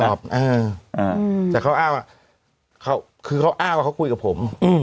แต่เขาอ้างว่าคือเขาอ้างว่าเขาคุยกับผม